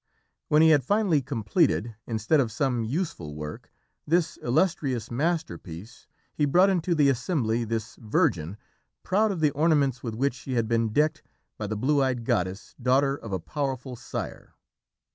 When he had finally completed, instead of some useful work, this illustrious masterpiece, he brought into the assembly this virgin, proud of the ornaments with which she had been decked by the blue eyed goddess, daughter of a powerful sire."